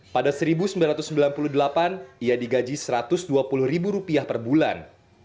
pada seribu sembilan ratus sembilan puluh delapan ia digaji rp satu ratus dua puluh ribu rupiah per bulan